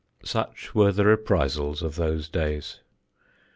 Such were the reprisals of those days.